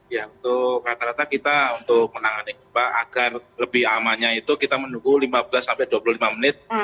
ya untuk rata rata kita untuk menangani gempa agar lebih amannya itu kita menunggu lima belas sampai dua puluh lima menit